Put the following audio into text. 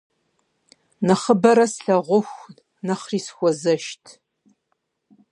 Нэхъыбэрэ слъагъуху, нэхъри сыхуэзэшт.